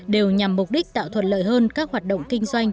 đều nhằm mục đích tạo thuận lợi hơn các hoạt động kinh doanh